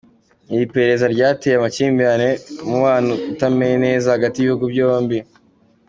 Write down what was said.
Iri perereza ryateye amakimbirane n'umubano utameze neza hagati y'ibihugu byombi.